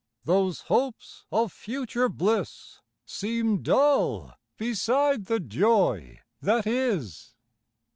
those hopes of future bliss Seem dull beside the joy that is.